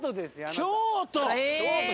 京都！